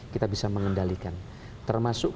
kita bisa mengendalikan termasuk